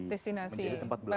menjadi tempat belajar